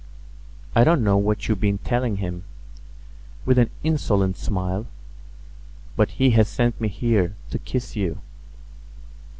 I don't know what you've been telling him," with an insolent smile, "but he has sent me here to kiss you."